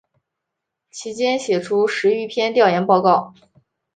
其间写出十余篇调研报告。